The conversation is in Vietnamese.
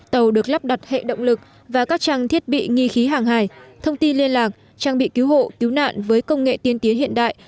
tàu được lắp đặt hệ động lực và các trang thiết bị nghi khí hàng hải thông tin liên lạc trang bị cứu hộ cứu nạn với công nghệ tiên tiến hiện đại